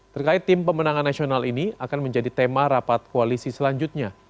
terkait tim pemenangan nasional ini akan menjadi tema rapat koalisi selanjutnya